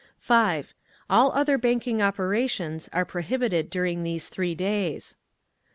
5. All other banking operations are prohibited during these three days.